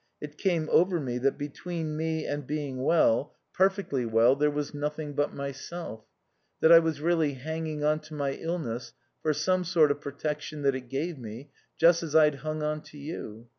It came over me that between me and being well, perfectly well, there was nothing but myself, that I was really hanging on to my illness for some sort of protection that it gave me, just as I'd hung on to you.